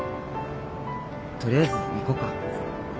とりあえず行こうか。